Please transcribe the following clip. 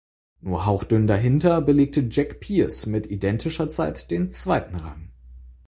Nur hauchdünn dahinter belegte Jack Pierce mit identischer Zeit der zweiten Rang.